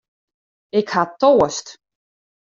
Ik ha toarst.